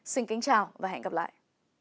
xin kính chào và hẹn gặp lại